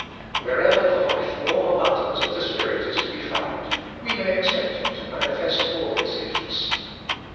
Wherever Hie life more abun dant of the Spirit is to be found, we may expect Him to manifest all His gifts.